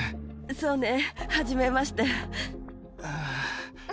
そうね、はじめまして。